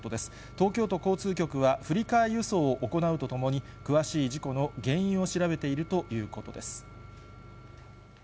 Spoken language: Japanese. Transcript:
東京都交通局は、振り替え輸送を行うとともに、詳しい事故の原因を調べているということです。